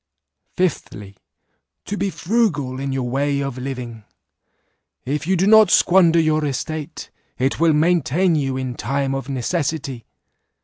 " Fifthly, To be frugal in your way of living; if you do not squander your estate, it will maintain you in time of necessity.